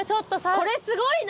これすごいな！